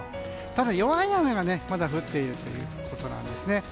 ただ、弱い雨がまだ降っているということなんですね。